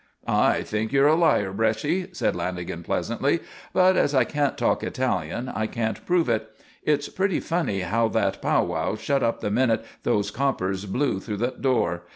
"I think you're a liar, Bresci," said Lanagan pleasantly. "But as I can't talk Italian, I can't prove it. It's pretty funny how that pow wow shut up the minute those coppers blew through that door.